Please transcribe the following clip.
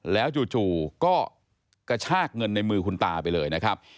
แล้วจู่ก็กระชากเงินในมือคุณตาไปเลยนะครับ